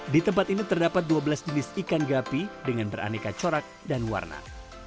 di tempat ini terdapat dua belas jenis ikan gapi dengan beraneka corak dan warna